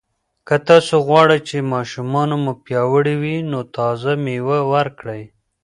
که تاسو غواړئ چې ماشومان مو پیاوړي وي، نو تازه مېوه ورکړئ.